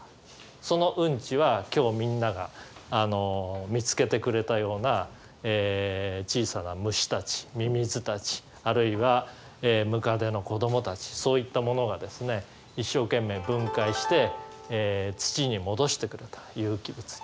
そのうんちは今日みんなが見つけてくれたような小さな虫たちミミズたちあるいはムカデの子どもたちそういったものがですね一生懸命分解して土に戻してくれた有機物に。